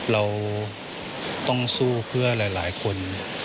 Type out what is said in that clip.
เราต้องสู้เพื่อหลายคน